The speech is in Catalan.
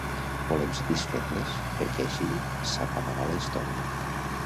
Volem satisfer-les perquè així s'acabarà la història.